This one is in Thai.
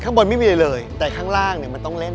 ข้างบนไม่มีอะไรเลยแต่ข้างล่างเนี่ยมันต้องเล่น